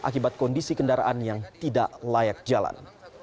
akibat kondisi kendaraan yang tidak layak jalan